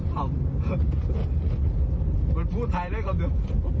มันพูดไทยได้คำเดียว